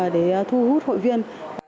để thu hút hội viên